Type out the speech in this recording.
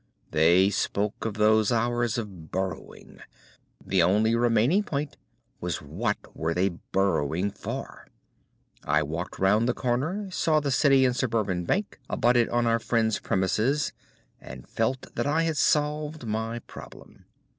They spoke of those hours of burrowing. The only remaining point was what they were burrowing for. I walked round the corner, saw the City and Suburban Bank abutted on our friend's premises, and felt that I had solved my problem.